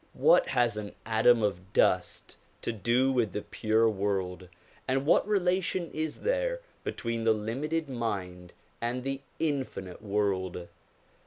What has an atom of dust to do with the pure world, and what relation is there between the limited mind and the infinite world